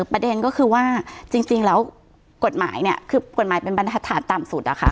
ประเด็นก็คือว่าจริงแล้วกฎหมายเนี่ยคือกฎหมายเป็นบรรทัศน์ต่ำสุดอะค่ะ